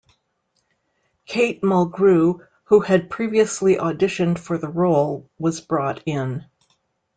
Kate Mulgrew, who had previously auditioned for the role, was brought in.